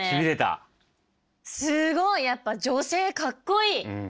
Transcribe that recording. すごいやっぱ女性かっこいい！